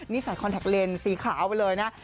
นี่ใส่คอนแท็กเลนสสีขาวไปเลยนะ